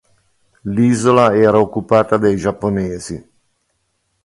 L'isola era occupata dai giapponesi.